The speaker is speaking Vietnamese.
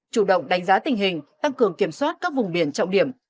chủ động đánh giá tình hình tăng cường kiểm soát các vùng biển trọng điểm